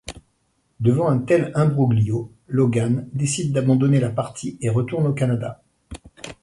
Devant un tel imbroglio, Logan décide d'abandonner la partie et retourne au Canada.